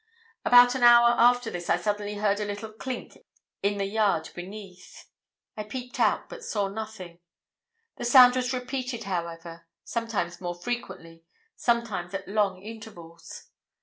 About an hour after this I suddenly heard a little clink in the yard beneath. I peeped out, but saw nothing. The sound was repeated, however sometimes more frequently, sometimes at long intervals.